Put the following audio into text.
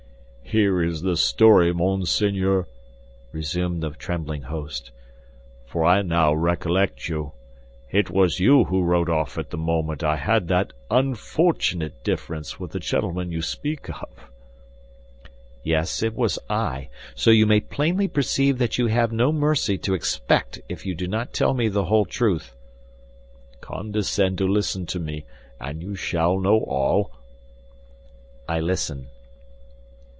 "Here is the story, monseigneur," resumed the trembling host; "for I now recollect you. It was you who rode off at the moment I had that unfortunate difference with the gentleman you speak of." "Yes, it was I; so you may plainly perceive that you have no mercy to expect if you do not tell me the whole truth." "Condescend to listen to me, and you shall know all." "I listen."